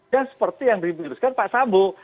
dan seperti yang dirumuskan pak sambo